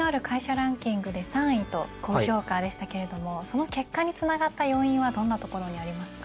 ランキングで３位と高評価でしたけれどもその結果につながった要因はどんなところにありますか？